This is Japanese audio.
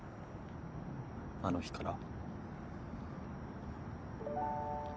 あの日から。